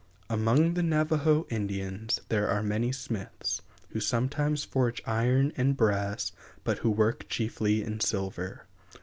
Among the Navajo Indians there are many smiths, who sometimes forge iron and brass, but who work chiefly in silver.